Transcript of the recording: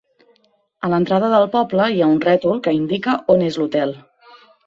A l'entrada del poble hi ha un rètol que indica on és l'hotel.